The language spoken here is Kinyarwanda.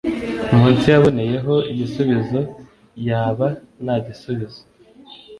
munsi yaboneyeho igisubizo yaba nta gisubizo